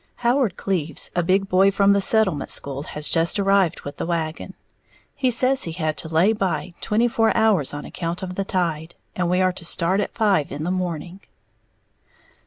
_ Howard Cleves, a big boy from the settlement school, has just arrived with the wagon he says he had to "lay by" twenty four hours on account of the "tide" and we are to start at five in the morning.